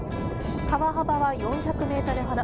川幅は４００メートルほど。